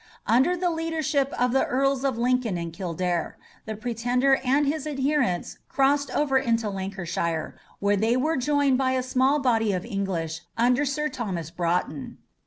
Under the leadership of the Earls of Lincoln and Kildare, the pretender and his adherents crossed over to Lanarkshire, where they were joined by a small body of English under Sir Thomas Broughton.